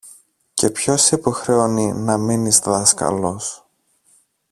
Και ποιος σε υποχρεώνει να μείνεις δάσκαλος;